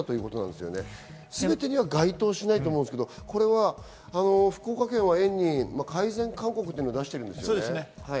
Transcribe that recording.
すべてには該当しないと思うんですけど、福岡県は園に改善勧告を出してるんですよね。